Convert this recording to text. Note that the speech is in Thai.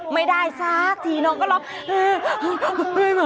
ไม่ได้สักทีน้องก็ร้อง